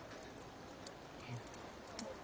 うん。